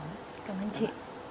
cảm ơn chị